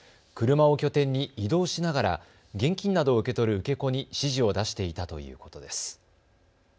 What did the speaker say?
車を拠点に移動しながら現金などを受け取る受け子に指示を出していたということです。